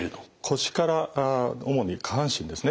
腰から主に下半身ですね。